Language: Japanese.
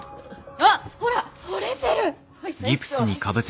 あっほら取れてる！